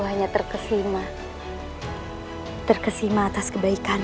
hanya terkesima terkesima atas kebaikan